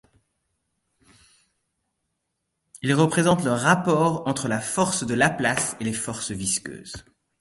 Il représente le rapport entre la force de Laplace et les forces visqueuses.